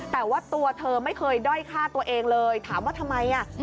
แต่ว่าตัวเธอไม่เคยด้อยฆ่าตัวเองเลยถามว่าทำไมอ่ะ